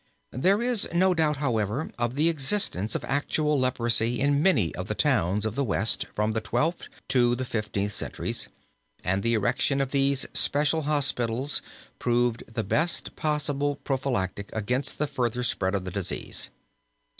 There is no doubt, however, of the existence of actual leprosy in many of the towns of the West from the Twelfth to the Fifteenth centuries, and the erection of these special hospitals proved the best possible prophylactic against the further spread of the disease.